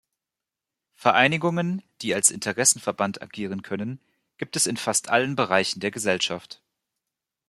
Vereinigungen, die als Interessenverband agieren können, gibt es in fast allen Bereichen der Gesellschaft.